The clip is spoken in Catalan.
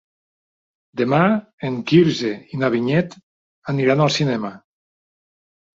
Demà en Quirze i na Vinyet aniran al cinema.